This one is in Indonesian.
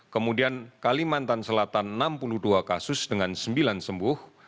kemudian kalimantan selatan enam puluh dua kasus dengan sembilan sembuh